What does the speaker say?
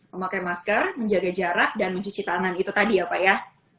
memakai masker menjaga jarak dan mencuci tangan itu tadi ya pak ya